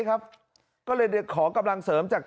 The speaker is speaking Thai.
อำเภอโพธาราม